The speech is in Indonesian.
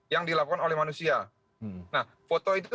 yang dilakukan oleh manusia nah foto itu